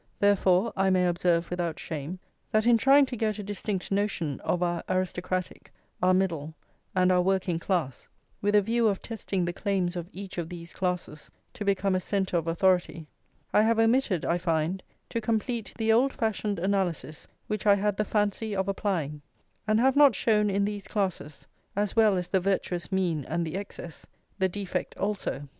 Therefore I may observe without shame, that in trying to get a distinct notion of our aristocratic, our middle, and our working class, with a view of testing the claims of each of these classes to become a centre of authority, I have omitted, I find, to complete the old fashioned analysis which I had the fancy of applying, and have not shown in these classes, as well as the virtuous mean and the excess, the defect also.